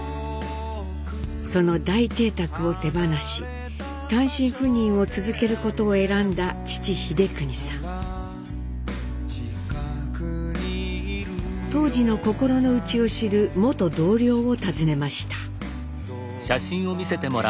その大邸宅を手放し単身赴任を続けることを選んだ当時の心の内を知る元同僚を訪ねました。